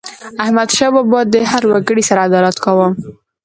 احمدشاه بابا به د هر وګړي سره عدالت کاوه.